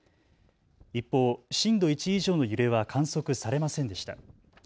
一方、震度１以上の揺れは観測されませんでした。